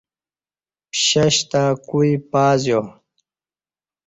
پشش تں کوعی پازیو